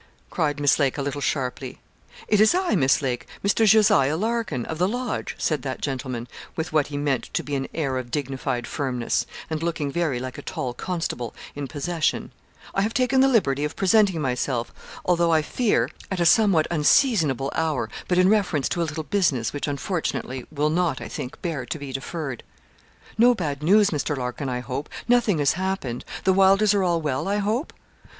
cried Miss Lake, a little sharply. 'It is I, Miss Lake, Mr. Josiah Larkin, of the Lodge,' said that gentleman, with what he meant to be an air of dignified firmness, and looking very like a tall constable in possession; 'I have taken the liberty of presenting myself, although, I fear, at a somewhat unseasonable hour, but in reference to a little business, which, unfortunately, will not, I think, bear to be deferred.' 'No bad news, Mr. Larkin, I hope nothing has happened. The Wylders are all well, I hope?'